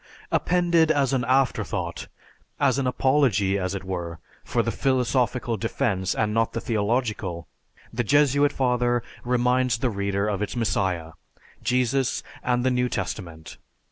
Appended as an afterthought, as an apology, as it were, for the philosophical defense and not the theological, the Jesuit father reminds the reader of its messiah, Jesus and the New Testament.